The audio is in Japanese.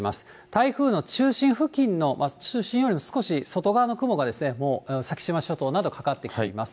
台風の中心付近の、中心よりも少し外側の雲がもう、先島諸島など、かかってきています。